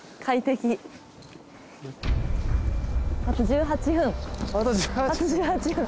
あと１８。